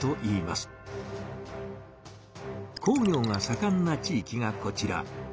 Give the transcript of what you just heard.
工業がさかんな地域がこちら。